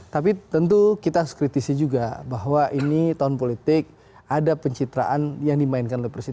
tapi tentu kita harus kritisi juga bahwa ini tahun politik ada pencitraan yang dimainkan oleh presiden